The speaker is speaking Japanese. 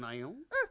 うん。